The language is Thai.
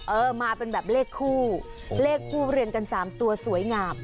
เออมาเป็นแบบเลขคู่เลขคู่เรียนกัน๓ตัวสวยงาม